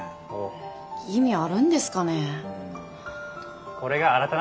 意味あるんですかね。